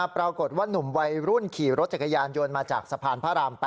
ปรากฏว่านุ่มวัยรุ่นขี่รถจักรยานยนต์มาจากสะพานพระราม๘